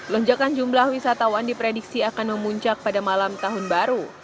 lonjakan jumlah wisatawan diprediksi akan memuncak pada malam tahun baru